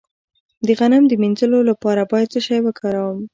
د غم د مینځلو لپاره باید څه شی وکاروم؟